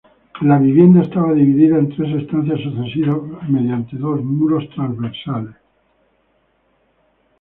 La vivienda estaba dividida en tres estancias sucesivas mediante dos muros transversales.